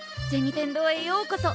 天堂へようこそ。